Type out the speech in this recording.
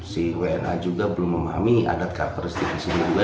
si wna juga belum memahami adat karakteristik disini juga